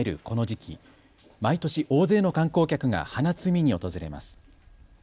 この時期、毎年、大勢の観光客が花摘みに訪れます。